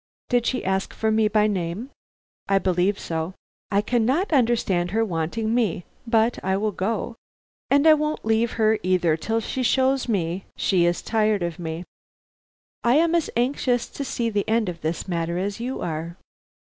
Did she ask for me by name?" "I believe so." "I cannot understand her wanting me, but I will go; and I won't leave her either till she shows me she is tired of me. I am as anxious to see the end of this matter as you are."